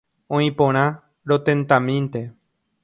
Oĩporã, rotentamínte.